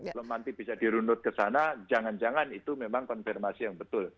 kalau nanti bisa dirunut ke sana jangan jangan itu memang konfirmasi yang betul